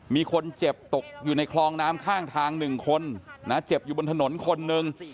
มีคนเจ็บตกอยู่ในคลองน้ำข้างทาง๑คนนะเจ็บอยู่บนถนนคนหนึ่ง